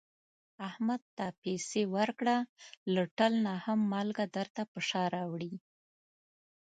محمود ته پسې ورکړه، له ټل نه هم مالگه درته په شا راوړي.